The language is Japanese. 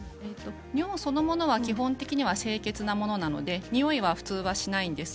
尿そのものは基本的には清潔なものなのでにおいが普通はしないんです。